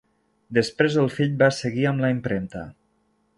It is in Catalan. Després el fill va seguir amb la impremta.